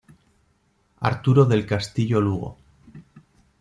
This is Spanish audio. Arturo del Castillo Lugo.